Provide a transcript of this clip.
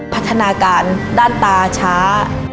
พัฒนาการด้านตาช้า